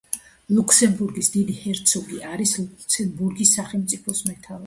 ლუქსემბურგის დიდი ჰერცოგი არის ლუქსემბურგის სახელმწიფოს მეთაური.